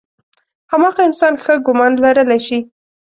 هماغه انسان ښه ګمان لرلی شي.